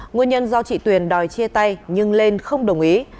nguyên nhân do chị tuyền đòi chia tay nhưng lên không đồng ý